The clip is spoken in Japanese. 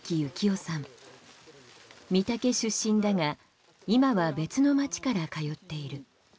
金峰出身だが今は別の町から通っている。